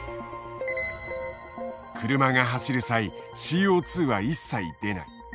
車が走る際ＣＯは一切出ない。